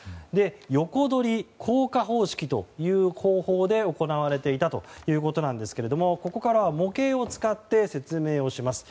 横取り・降下方式という方法で行われていたということですがここからは模型を使って説明をします。